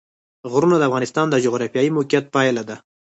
غرونه د افغانستان د جغرافیایي موقیعت پایله ده.